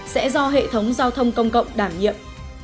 sẽ do hệ thống giao thông công cộng đảm nhiệm